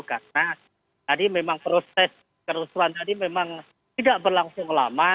karena tadi memang proses kerusuhan tadi memang tidak berlangsung lama